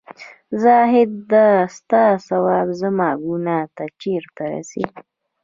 زاهـده سـتـا ثـواب زمـا ګـنـاه تـه چېرته رسـي